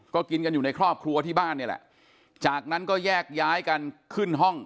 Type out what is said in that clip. ก็กินกันอยู่ในครอบครัวที่บ้านนี่แหละจากนั้นก็แยกย้ายกันขึ้นห้อง